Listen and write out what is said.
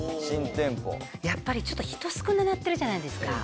やっぱりちょっと人少ななってるじゃないですか。